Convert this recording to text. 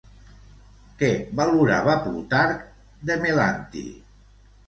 Què valorava Plutarc de Melanti?